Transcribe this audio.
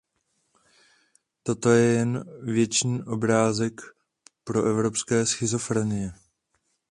Toto je jen věčný obrázek proevropské schizofrenie.